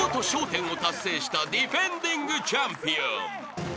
１０を達成したディフェンディングチャンピオン］